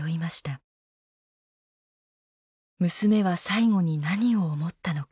娘は最期に何を思ったのか。